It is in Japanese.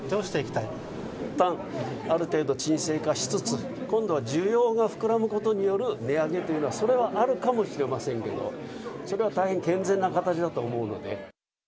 いったん、ある程度鎮静化しつつ、今度は需要が膨らむことによる値上げというのは、それはあるかもしれませんけど、それは大変健全な形だと思うので。